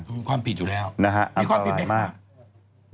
มีความผิดอยู่แล้วมีความผิดไหมคะ